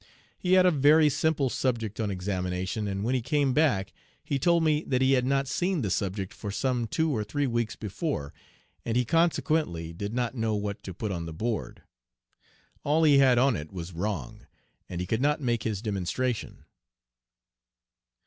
He had a very simple subject on examination, and when he came back he told me that he had not seen the subject for some two or three weeks before, and he, consequently, did not know what to put on the board. All he had on it was wrong, and he could not make his demonstration."